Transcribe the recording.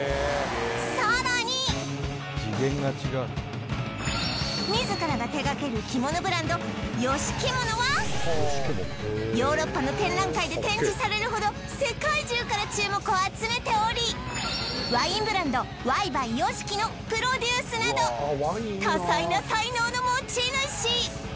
さらに自らが手がける着物ブランドＹＯＳＨＩＫＩＭＯＮＯはヨーロッパの展覧会で展示されるほど世界中から注目を集めておりワインブランドＹｂｙＹＯＳＨＩＫＩのプロデュースなど多彩な才能の持ち主